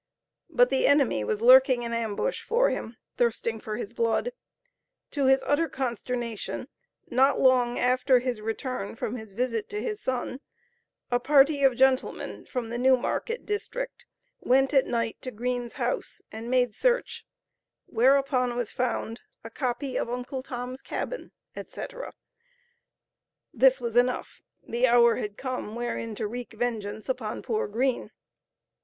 But the enemy was lurking in ambush for him thirsting for his blood. To his utter consternation, not long after his return from his visit to his son "a party of gentlemen from the New Market district, went at night to Green's house and made search, whereupon was found a copy of Uncle Tom's Cabin, etc." This was enough the hour had come, wherein to wreak vengeance upon poor Green.